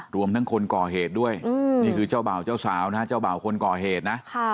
รวมทั้งคนก่อเหตุด้วยนี่คือเจ้าบ่าวเจ้าสาวนะเจ้าบ่าวคนก่อเหตุนะ